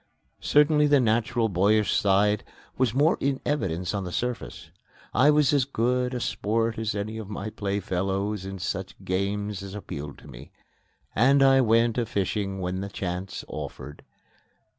Certainly the natural, boyish side was more in evidence on the surface. I was as good a sport as any of my playfellows in such games as appealed to me, and I went a fishing when the chance offered.